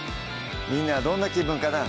みんなはどんな気分かなぁ